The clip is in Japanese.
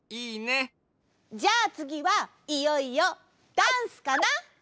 じゃあつぎはいよいよダンスかな！